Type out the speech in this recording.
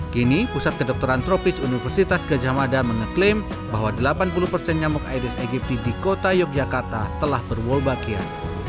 kini pusat kedokteran tropis universitas gajah mada mengklaim bahwa delapan puluh nyamuk aedes aegypti di kota yogyakarta telah berwolbakia